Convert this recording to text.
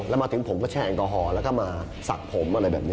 แล้วมาถึงผมก็ช่ายแอนโกหอเพื่อสักผม